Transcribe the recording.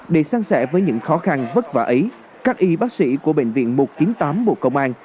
để sang sẻ với những khó khăn vất vả ấy các y bác sĩ của bệnh viện một trăm chín mươi tám bộ công an